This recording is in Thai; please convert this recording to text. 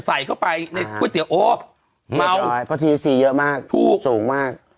ใส่เข้าไปในก๋วยเตี๋ยวโอ๊ยเพราะทีสีเยอะมากถูกสูงมาก